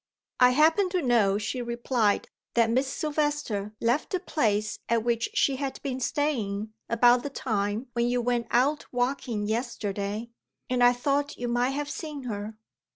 "I happen to know," she replied "that Miss Silvester left the place at which she had been staying about the time when you went out walking yesterday. And I thought you might have seen her."